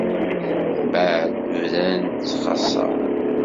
Mbeɛd, bdan ttxaṣṣan.